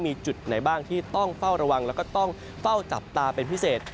มีจุดไหนบ้างที่ต้องเฝ้าระวังแล้วก็ต้องเฝ้าจับตาเป็นพิเศษ